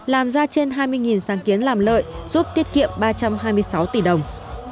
làm ra trên hai mươi sáng kiến làm lợi giúp tiết kiệm ba trăm hai mươi sáu tỷ đồng